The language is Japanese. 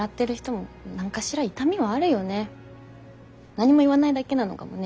何も言わないだけなのかもね